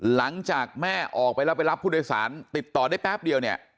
หลังจากแม่ออกไปแล้วไปรับผู้โดยสารติดต่อได้แป๊บเดียวเนี่ย